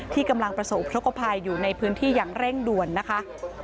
กำลังประสบทกภัยอยู่ในพื้นที่อย่างเร่งด่วนนะคะ